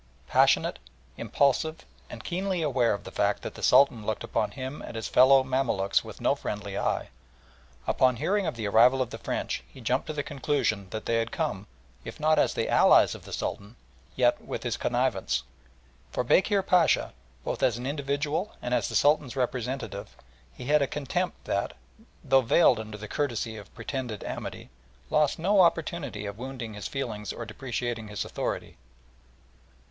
Passionate, impulsive, and keenly conscious of the fact that the Sultan looked upon him and his fellow Mamaluks with no friendly eye, upon hearing of the arrival of the French he jumped to the conclusion that they had come, if not as the allies of the Sultan, yet with his connivance. For Bekir Pacha, both as an individual and as the Sultan's representative, he had a contempt that, though veiled under the courtesy of pretended amity, lost no opportunity of wounding his feelings or depreciating his authority.